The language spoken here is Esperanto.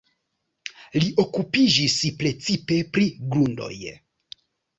Li okupiĝis precipe pri grundoj.